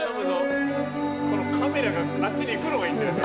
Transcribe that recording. カメラがあっちに行くのがいいんだよね。